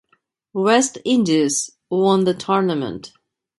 West Indies won the tournament.